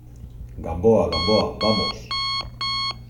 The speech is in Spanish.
Gamboa, Gamboa , vamos.